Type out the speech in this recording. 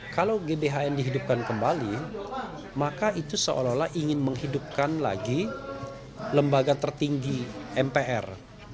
kalau gbhn dihidupkan kembali maka itu seolah olah ingin menghidupkan lagi lembaga tertinggi mpr